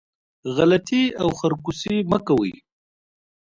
غلطي او خرکوسي مه کوئ